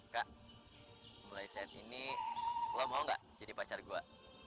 kak mulai saat ini lo mau gak jadi pacar gue